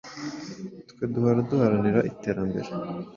twe duhora duharanira iterambere